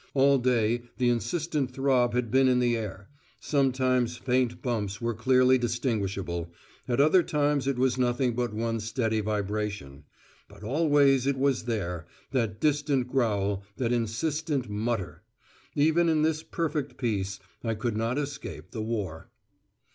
All day the insistent throb had been in the air; sometimes faint bumps were clearly distinguishable, at other times it was nothing but one steady vibration. But always it was there, that distant growl, that insistent mutter. Even in this perfect peace, I could not escape the War.